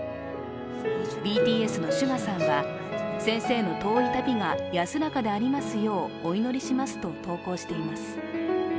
ＢＴＳのＳＵＧＡさんは、先生の遠い旅が安らかでありますようお祈りしますと投稿しています。